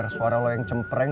tapi tetep aja dia ngacangin gue